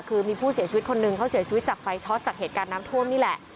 คือมีผู้เสียชีวิตคนหนึ่งเขาเสียชีวิตจากไฟช็อตจากเหตุการณ์น้ำท่วมนี่แหละ